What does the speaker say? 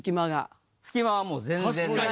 隙間はもう全然ない。